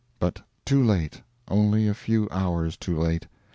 But too late only a few hours too late.